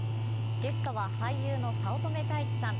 ゲストは俳優の早乙女太一さん。